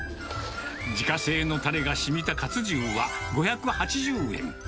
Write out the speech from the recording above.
自家製のたれがしみたカツ重は５８０円。